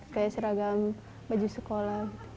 kayak seragam baju sekolah